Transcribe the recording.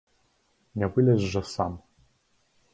Не вылез жа сам?